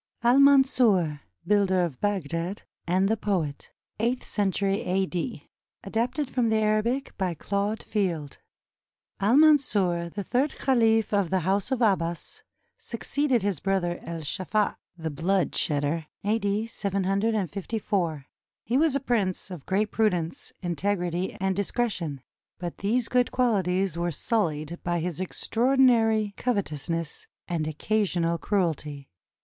AL MANSUR, BUILDER OF BAGDAD, AND THE POET [Eighth century a.d.] ADAPTED FROM THE ARABIC BY CLAUDE FIELD Al Mansur, the third caliph of the House of Abbas, succeeded his brother Es Saffah ("the blood shedder") A.D. 754. He was a prince of great prudence, integrity, and discretion ; but these good quahties were sullied by his extraordinary covetousness and occasional cruelty.